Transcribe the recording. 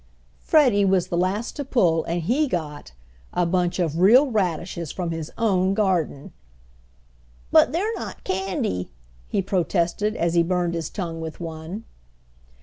Freddie was the last to pull and he got A bunch of real radishes from his own garden! "But they're not candy," he protested, as he burned his tongue with one.